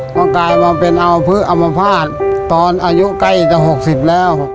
ก็กลายมาเป็นเอาพืชอัมพาตตอนอายุใกล้อีกจะ๖๐แล้ว